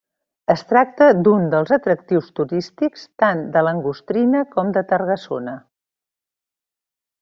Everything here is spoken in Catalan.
Es tracta d'un dels atractius turístics tant d'Angostrina com de Targasona.